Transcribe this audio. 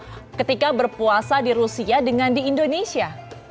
benar benar terasa seperti itu ketika berpuasa di rusia dengan di indonesia